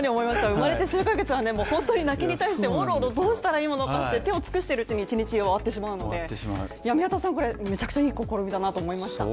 生まれて数カ月は本当に泣きに対しておろおろ、どうしたらいいものか手を尽くしているうちに一日が終わってしまうので、宮田さん、これめちゃくちゃいい取り組みだと思いました。